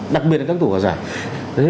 đặc biệt là các tổ hòa giải